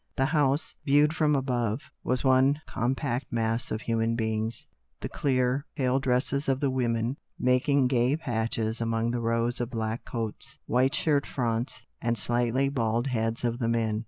The house, viewed from above, was one com pact mass of human beings, the clear, pale dresses of the women making gay patches among the rows of black coats, white shirt fronts, and slightly bald heads of the men.